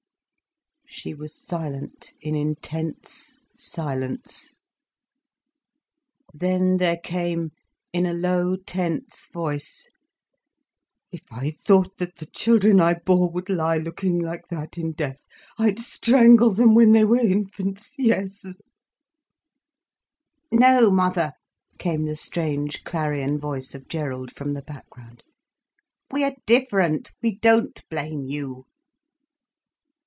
She was silent in intense silence. Then there came, in a low, tense voice: "If I thought that the children I bore would lie looking like that in death, I'd strangle them when they were infants, yes—" "No, mother," came the strange, clarion voice of Gerald from the background, "we are different, we don't blame you."